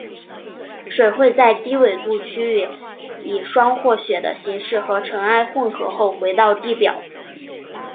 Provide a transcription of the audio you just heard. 水会在低纬度区域以霜或雪的形式和尘埃混合后回到地表。